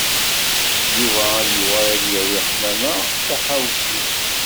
Yuba ad d-yuɣal ad yawi Ḥemmama Taḥawcint.